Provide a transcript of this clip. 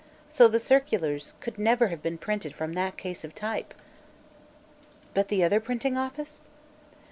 So the circulars could never have been printed from that case of type." "But the other printing office?"